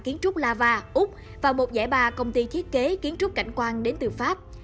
kiến trúc lava úc và một giải ba công ty thiết kế kiến trúc cảnh quan đến từ pháp